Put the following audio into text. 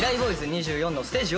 ２４のステージを。